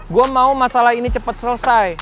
gue mau masalah ini cepat selesai